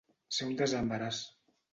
Ser un desembaràs.